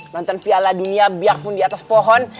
lantun viala dunia biarpun di atas pohon